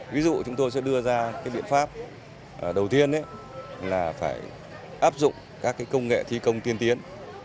ví dụ chúng tôi sẽ đưa ra biện pháp đầu tiên là phải áp dụng các công nghệ thi công tiên tiến